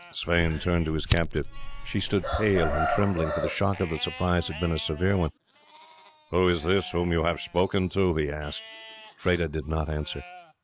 Sweyn turned to his captive. She stood pale and trembling, for the shock of the surprise had been a severe one. "Who is this whom you have spoken to?" he asked. Freda did not answer.